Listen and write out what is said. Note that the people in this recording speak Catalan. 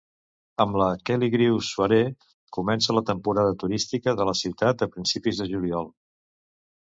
Amb la Kelligrews Soiree, comença la temporada turística de la ciutat a principis de juliol.